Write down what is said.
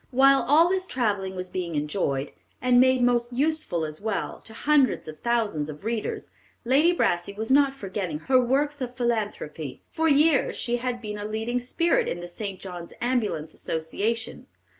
While all this travelling was being enjoyed, and made most useful as well, to hundreds of thousands of readers, Lady Brassey was not forgetting her works of philanthropy. For years she has been a leading spirit in the St. John's Ambulance Association.